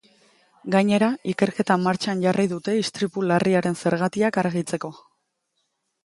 Gainera, ikerketa martxan jarri dute istripu larriaren zergatiak argitzeko.